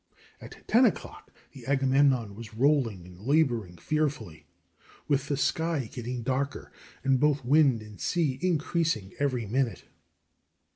At ten o'clock the Agamemnon was rolling and laboring fearfully, with the sky getting darker, and both wind and sea increasing every minute.